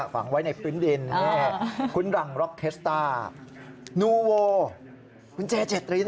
ฝังไว้ในพื้นดินคุณรังร็อกเคสต้านูโวคุณเจเจตริน